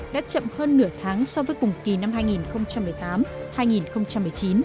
đã chậm hơn nửa tháng so với cùng kỳ năm hai nghìn một mươi tám hai nghìn một mươi chín